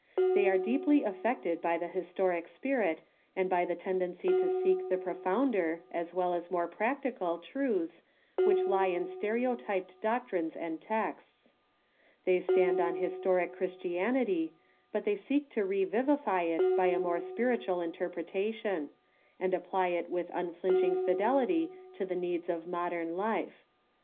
They are deeply affected by the historic spirit and by the tendency to seek the profounder as well as more practical truths which lie iu stereotyped doctrines and texts. They stand on historic Christianity, but they seek to revivify it by a more s})iritual interpretation, and apply it witli unflinching fidelity to the needs of modern life.